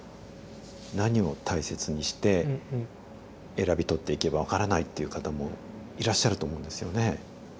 何を大切にして選び取っていけば分からないっていう方もいらっしゃると思うんですよね。